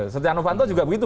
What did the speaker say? setia novanto juga begitu